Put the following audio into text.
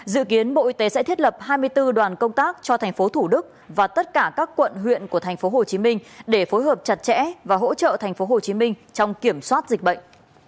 dự kiến bộ y tế sẽ thiết lập hai mươi bốn đoàn công tác cho thành phố thủ đức và tất cả các quận huyện của thành phố hồ chí minh để phối hợp chặt chẽ và hỗ trợ thành phố hồ chí minh trong kiểm soát dịch bệnh